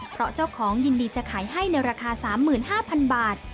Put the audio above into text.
เพราะเจ้าของยินดีจะขายให้ในราคา๓๕๐๐๐บาท